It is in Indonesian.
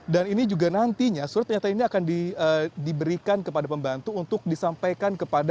ini juga nantinya surat pernyataan ini akan diberikan kepada pembantu untuk disampaikan kepada